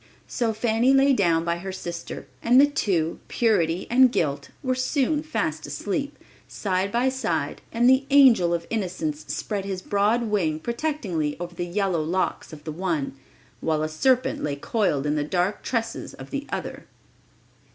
So Fanny lay down by her sister, and the two, purity and guilt, were soon fast asleep, side by side, and the angel of innocence spread his broad wing protectingly over the yellow locks of the one, while a serpent lay coiled in the dark tresses of the other.